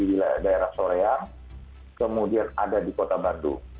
di daerah soreang kemudian ada di kota bandung